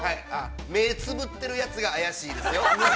◆目をつぶっているやつが怪しいですよ。